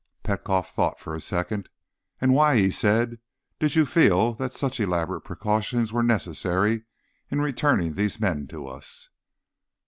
Petkoff thought for a second. "And why," he said, "did you feel that such elaborate precautions were necessary in returning these men to us?"